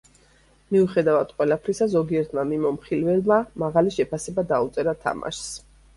მიუხედავად ყველაფრისა, ზოგიერთმა მიმოხილველმა მაღალი შეფასება დაუწერა თამაშს.